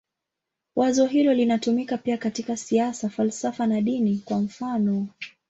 Wazo hilo linatumika pia katika siasa, falsafa na dini, kwa mfanof.